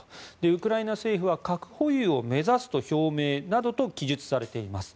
ウクライナ政府は核保有を目指すと表明などと記述されています。